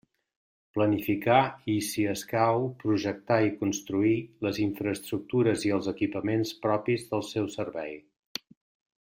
Planificar i, si escau, projectar i construir, les infraestructures i els equipaments propis del seu servei.